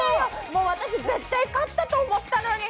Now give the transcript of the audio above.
もう私絶対勝ったと思ったのに。